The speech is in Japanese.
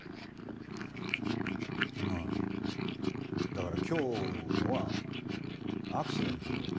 まあだから今日のはアクシデントだろ。